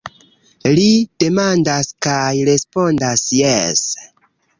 Li demandas – kaj respondas jese.